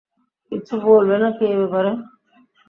কিছু বলবে নাকি এই ব্যাপারে?